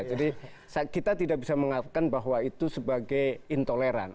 jadi kita tidak bisa mengatakan bahwa itu sebagai intoleran